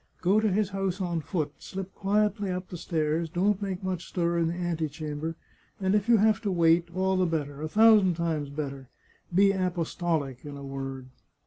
Go to his house on foot, slip quietly up the stairs, don't make much stir in the antechamber, and if you have to wait, all the better — a thousand times better. Be apostolic, in a word."